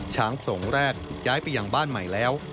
ช้างส่งแรกถูกย้ายไปยังบ้านใหม่แล้ว